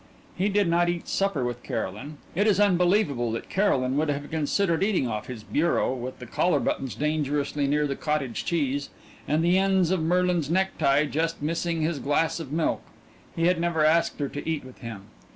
He did not eat supper with Caroline. It is unbelievable that Caroline would have considered eating off his bureau with the collar buttons dangerously near the cottage cheese, and the ends of Merlin's necktie just missing his glass of milk he had never asked her to eat with him.